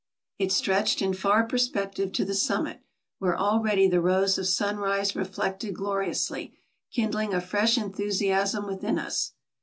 It stretched in far perspective to the summit, where already the rose of sun rise reflected gloriously, kindling a fresh enthusiasm within us.